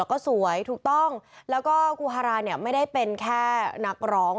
แล้วก็สวยถูกต้องและกูฮาร่าไม่ได้เป็นแค่นักร้อง